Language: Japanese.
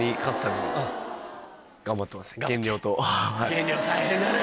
減量大変だね。